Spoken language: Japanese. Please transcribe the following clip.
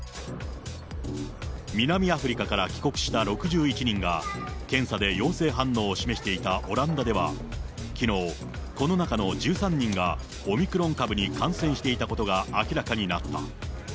南アフリカから帰国した６１人が、検査で陽性反応を示していたオランダではきのう、この中の１３人がオミクロン株に感染していたことが明らかになった。